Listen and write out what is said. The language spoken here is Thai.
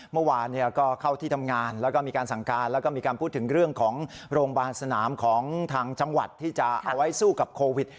เมื่อวานก็เข้าที่ทำงานแล้วก็มีการสั่งการแล้วก็มีการพูดถึงเรื่องของโรงพยาบาลสนามของทางจังหวัดที่จะเอาไว้สู้กับโควิด